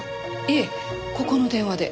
いえここの電話で。